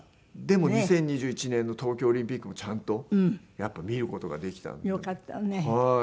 でも２０２１年の東京オリンピックもちゃんと見る事ができたので。